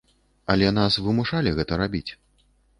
Але нас вымушалі гэта рабіць.